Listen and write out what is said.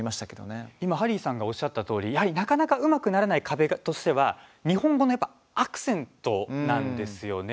今ハリーさんがおっしゃったとおりやはり、なかなかうまくならない壁としては日本語のアクセントなんですよね。